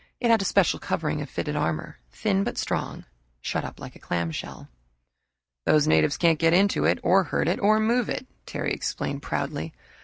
It had a special covering of fitted armor, thin but strong, shut up like a clamshell. "Those natives can't get into it, or hurt it, or move it," Terry explained proudly.